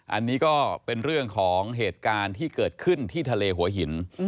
อันนี้ก็เป็นเรื่องของเหตุการณ์ที่เกิดขึ้นที่ทะเลหัวหิน